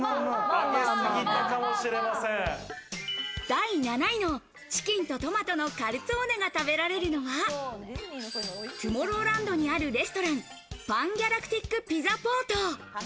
第７位のチキンとトマトのカルツォーネが食べられるのは、トゥモローランドにあるレストランパン・ギャラクティック・ピザ・ポート。